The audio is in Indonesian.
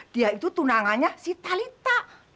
dia itu tunangannya si talita